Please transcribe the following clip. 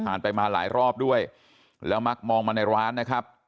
ไปมาหลายรอบด้วยแล้วมักมองมาในร้านนะครับ